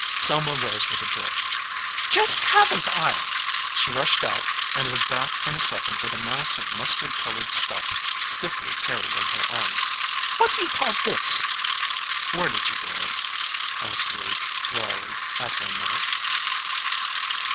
Selma rose with a jerk. "Just haven t I ?" She rushed out and was back in a second with a mass of mustard colored stuff stiffly carried in her arms. "What do you call this?" "Where did you get it ?" asked Luke, dryly, after a minute.